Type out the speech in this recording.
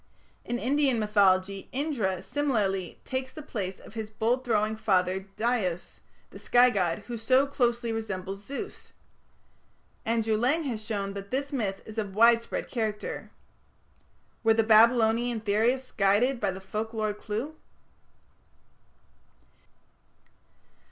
In Indian mythology Indra similarly takes the place of his bolt throwing father Dyaus, the sky god, who so closely resembles Zeus. Andrew Lang has shown that this myth is of widespread character. Were the Babylonian theorists guided by the folk lore clue?